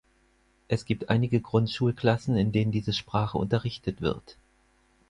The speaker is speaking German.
Es gibt einige Grundschulklassen, in denen diese Sprache unterrichtet wird.